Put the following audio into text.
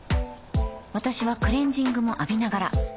私はクレジングも浴びながら